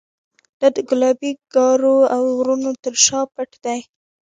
دا د ګلابي ګارو او غرونو تر شا پټ دی.